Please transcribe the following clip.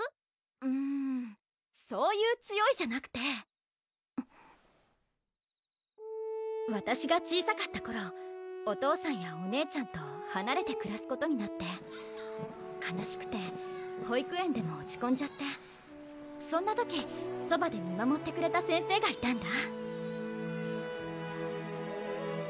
うんそういう「強い」じゃなくてわたしが小さかった頃お父さんやお姉ちゃんとはなれてくらすことになって悲しくて保育園でも落ちこんじゃってそんな時そばで見守ってくれた先生がいたんだ